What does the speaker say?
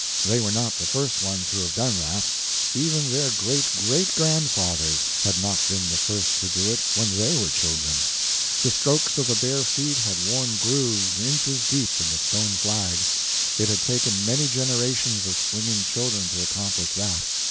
They were not the first ones who have done that; even their great great grandfathers had not been the first to do it when they were children. The strokes of the bare feet had worn grooves inches deep in the stone flags; it had taken many generations of swinging children to accomplish that.